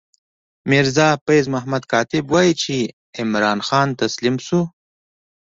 میرزا فیض محمد کاتب وايي چې عمرا خان تسلیم شو.